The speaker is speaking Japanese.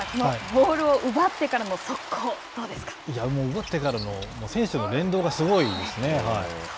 ボールを奪ってからの奪ってからの選手の連動がすごいですね。